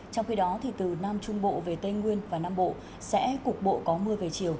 trong khi đó từ nam trung bộ về tây nguyên và nam bộ sẽ cục bộ có mưa về chiều